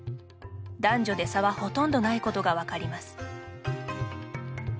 男女で差はほとんどないことが分かります。